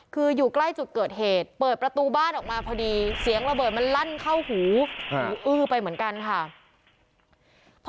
คืออยู่ใกล้จุดเกิดเหตุเปิดประตูบ้านออกมาพอดีเสียงระเบิดมันลั่นเข้าหูหูอื้อไปเหมือนกันค่ะ